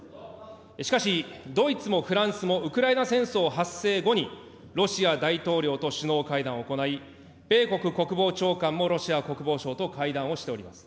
しかし、ドイツもフランスもウクライナ戦争発生後にロシア大統領と首脳会談を行い、米国国防長官もロシア国防相と会談をしております。